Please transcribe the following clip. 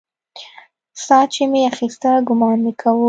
ساه چې مې اخيستله ګومان مې کاوه.